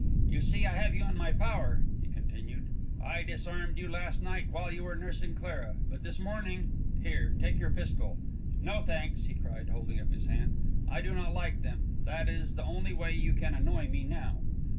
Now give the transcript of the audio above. "You see I have you in my power," he continued. "I disarmed you last night while you were nursing Clara; but this morning—here—take your pistol. No thanks!" he cried, holding up his hand. "I do not like them; that is the only way you can annoy me now."